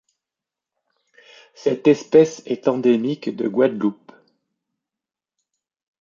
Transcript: Cette espèce est endémique de Guadeloupe.